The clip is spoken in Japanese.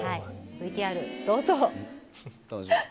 ＶＴＲどうぞ。